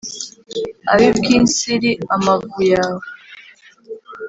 ab’i bwinsiri amavu yawe.